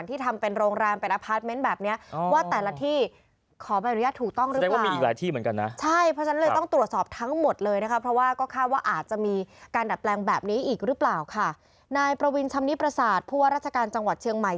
ท่านชำนิปราศาสตร์พวกราชการจังหวัดเชียงใหม่